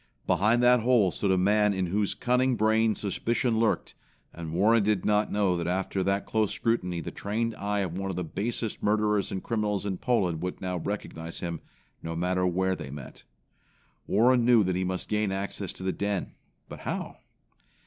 Behind that hole stood a man in whose cunning brain suspicion lurked; and Warren did not know that after that close scrutiny the trained eye of one of the basest murderers and criminals in Poland would now recognize him, no matter where they met. Warren knew that he must gain access to the den, but how?